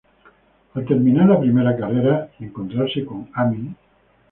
Al terminar la primera carrera y encontrarse con Amy.